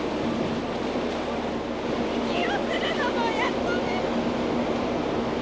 息をするのもやっとです。